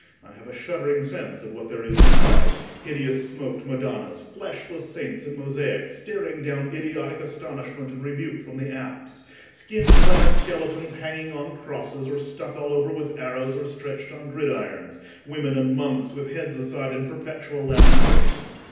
I have a shuddering sense of what there is inside—hideous smoked Madonnas; fleshless saints in mosaic, staring down idiotic astonishment and rebuke from the apse; skin clad skeletons hanging on crosses, or stuck all over with arrows, or stretched on gridirons; women and monks with heads aside in perpetual lamentation.